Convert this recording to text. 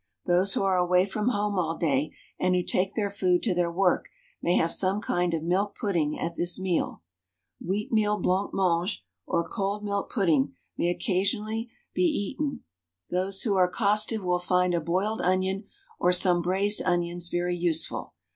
Those who are away from home all day, and who take their food to their work may have some kind of milk pudding at this meal. Wheatmeal blancmange, or cold milk pudding may occasionally be eaten those who are costive will find a boiled onion or some braized onions very useful.